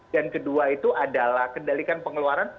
dan kedua itu adalah kendalikan pengeluaran